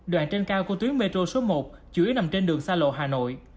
đoạn trên cao của tuyến metro số một chủ yếu nằm trên đường xa lộ hà nội